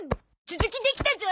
続きできたゾ。